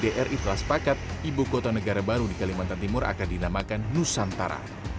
bri telah sepakat ibu kota negara baru di kalimantan timur akan dinamakan nusantara